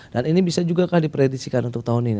dan ini bisa juga di predisikan untuk tahun ini